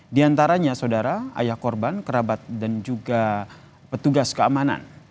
di antaranya saudara ayah korban kerabat dan juga petugas keamanan